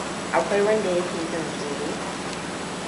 Akwai wanda yake jin tsoro?